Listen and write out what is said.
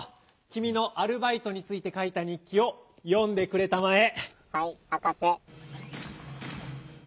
きみのアルバイトについてかいた日記をよんでくれたまえ！